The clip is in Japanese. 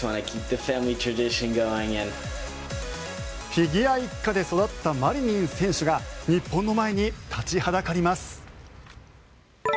フィギュア一家で育ったマリニン選手が日本の前に立ちはだかります。